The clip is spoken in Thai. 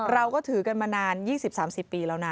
เราก็ถือกันมานาน๒๐๓๐ปีแล้วนะ